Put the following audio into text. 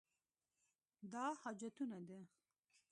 دا حاجتونه ده.